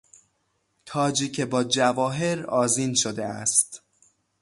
تاجی که با جواهر آذین شده است